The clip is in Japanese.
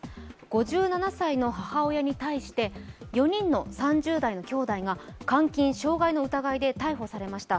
５７歳の母親に対して、４人の３０代のきょうだいが監禁・傷害の疑いで逮捕されました。